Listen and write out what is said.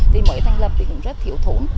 thì mới thành lập thì cũng rất thiếu thốn